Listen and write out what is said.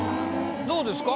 どうですか？